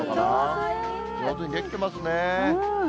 上手に出来ていますね。